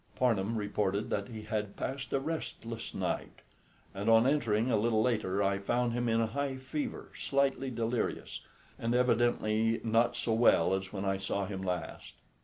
Parnham reported that he had passed a restless night, and on entering a little later I found him in a high fever, slightly delirious, and evidently not so well as when I saw him last.